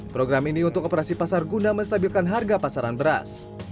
program ini untuk operasi pasar guna menstabilkan harga pasaran beras